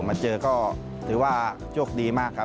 มาเจอก็ถือว่าโชคดีมากครับ